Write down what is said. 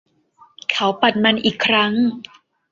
เขาปัดมันอีกครั้ง